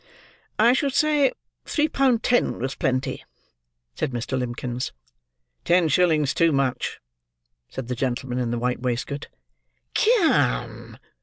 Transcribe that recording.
"I should say, three pound ten was plenty," said Mr. Limbkins. "Ten shillings too much," said the gentleman in the white waistcoat. "Come!"